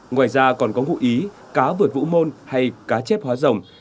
ngoài ra còn có ngụ ý cá vượt vũ môn hay cá chép hóa dòng